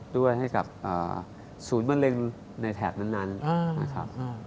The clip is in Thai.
ด้วยให้กับศูนย์มะเร็งในแถบนั้นนะครับ